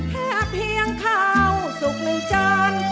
แค่เพียงข้าวสุกหนึ่งจาน